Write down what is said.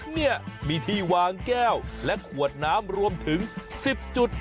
เนี่ยมีที่วางแก้วและขวดน้ำรวมถึง๑๐จุด